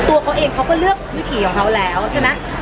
ตัวเขาเองเขาก็เลือกวิถีของเขาแล้วใช่ไหม